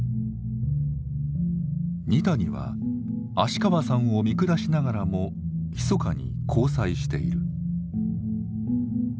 二谷は芦川さんを見下しながらもひそかに交際している。